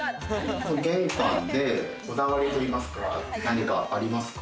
玄関でこだわりといいますか、何かありますか？